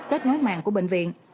kết nối mạng của bệnh viện